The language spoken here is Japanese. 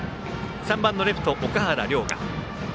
３番のレフト、岳原陵河。